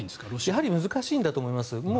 やはり難しいんだと思います。